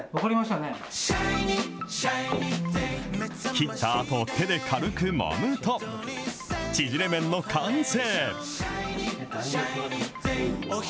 切ったあと、手で軽くもむと、縮れ麺の完成。